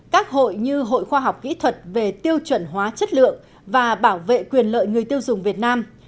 các hội như hội khoa học kỹ thuật về tiêu chuẩn hóa chất lượng và bảo vệ quyền lợi người tiêu dùng việt nam